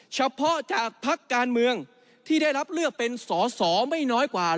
เฉพาะจากพักการเมืองที่ได้รับเลือกเป็นสอสอไม่น้อยกว่า